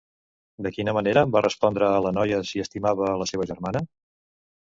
De quina manera va respondre a la noia si estimava a la seva germana?